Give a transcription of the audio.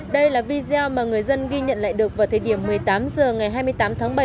đây là video mà người dân ghi nhận lại được vào thời điểm một mươi tám h ngày hai mươi tám tháng bảy